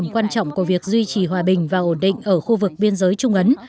quan trọng của việc duy trì hòa bình và ổn định ở khu vực biên giới trung ấn